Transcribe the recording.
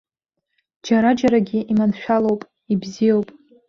Џьара-џьарагьы иманшәалоуп, ибзиоуп.